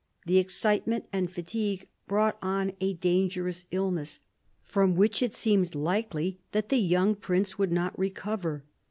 The excitement and fatigue brought on a dangerous illness, from which it seemed likely that the young prince would not recover.